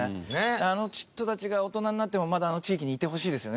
あの人たちが大人になってもまだあの地域にいてほしいですよね